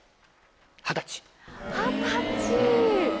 二十歳！